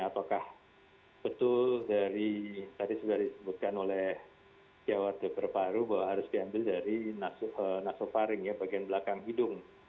apakah betul dari tadi sudah disebutkan oleh jawa warga berparu bahwa harus diambil dari nasofaring ya bagian belakang hidung